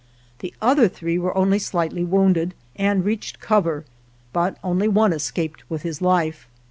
The other three were only slightly wounded and reached cover, but only one escaped with his life.